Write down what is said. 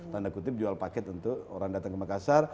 tanda kutip jual paket untuk orang datang ke makassar